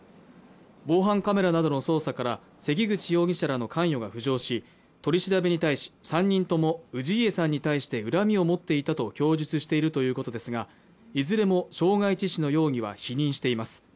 防犯カメラなどの捜査から関口容疑者らの関与が浮上し、取り調べに対し３人とも、氏家さんに対して恨みを持っていたと供述しているということですがいずれも傷害致死の容疑は否認しています。